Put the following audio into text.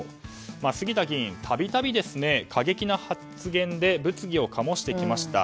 杉田議員は度々、過激な発言で物議を醸してきました。